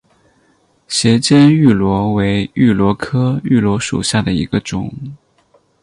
斜肩芋螺为芋螺科芋螺属下的一个种。